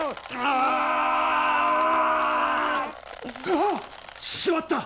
あっ！しまった！